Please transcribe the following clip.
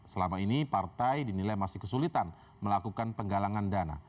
selama ini partai dinilai masih kesulitan melakukan penggalangan dana